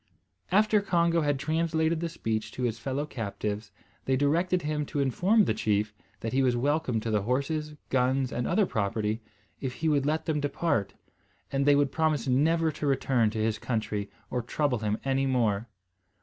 After Congo had translated the speech to his fellow captives, they directed him to inform the chief that he was welcome to the horses, guns, and other property, if he would let them depart, and they would promise never to return to his country or trouble him any more.